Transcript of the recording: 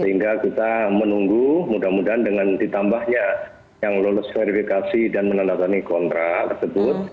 sehingga kita menunggu mudah mudahan dengan ditambahnya yang lolos verifikasi dan menandatangani kontrak tersebut